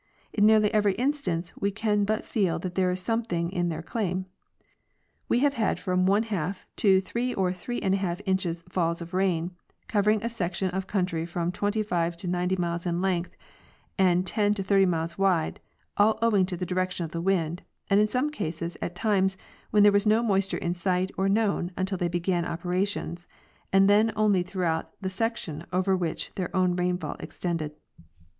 In nearly every instance we can but feel there is something in their claim. We have had from one half to three or three and a half inches falls of rain, covering a section of country from twenty five to ninety miles in length and ten to thirty miles wide, all owing to the direction of the wind, and in some cases at times when there was no moisture in sight or known until they began operations, and then only throughout the section over which their own rainfall extended.